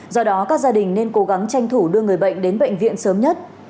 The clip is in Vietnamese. do đó các gia đình nên cố gắng tranh thủ đưa người bệnh đến bệnh viện sớm nhất